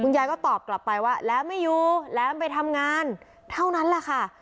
ยายก็ตอบกลับไปว่าแหลมไม่อยู่แหลมไปทำงานเท่านั้นแหละค่ะ